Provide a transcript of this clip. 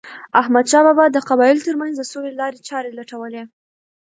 احمدشاه بابا د قبایلو ترمنځ د سولې لارې چارې لټولې.